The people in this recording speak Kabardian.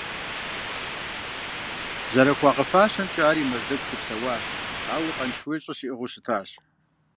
ЗэрыхуагъэфащэмкӀэ, ари Мэздэгу щыпсэуащ, ауэ Къаншыуей щӀы щиӀыгъыу щытащ.